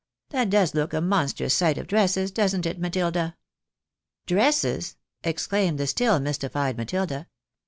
That does look a monstrous sight of dresses, doesn't it, Matilda ?" "Dresses!" exclaimed the still mystified Matilda.